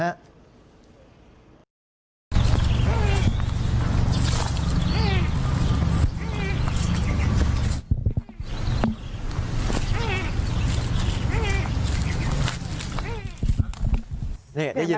ได้ยินไหมได้ยิน